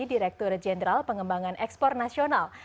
director general pengembangan ekspor nasional